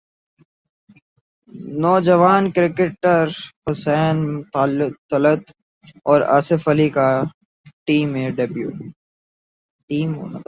نوجوان کرکٹر حسین طلعت اور اصف علی کا ٹی میں ڈیبیو